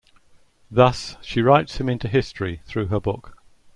Thus, she writes him into history, through her book.